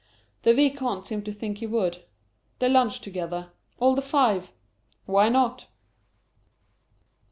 The Vicomte seemed to think he would. They lunched together all the five! Why not?